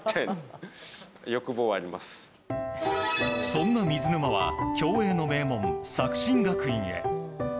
そんな水沼は競泳の名門作新学院へ。